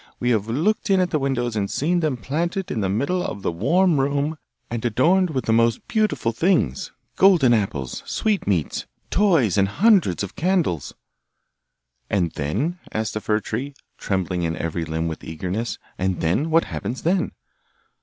We have looked in at the windows and seen them planted in the middle of the warm room and adorned with the most beautiful things golden apples, sweet meats, toys and hundreds of candles.' 'And then?' asked the fir tree, trembling in every limb with eagerness, 'and then? what happens then?